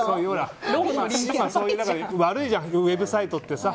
悪いじゃん、ウェブサイトってさ。